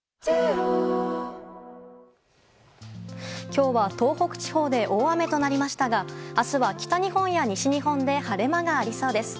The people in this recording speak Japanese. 今日は東北地方で大雨となりましたが明日は北日本や西日本で晴れ間がありそうです。